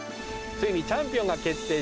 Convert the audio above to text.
ついにチャンピオンが決定します。